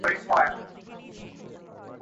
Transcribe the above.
তিনি একলা আমাদের দুজনকে অসংযত করে না তোলেন।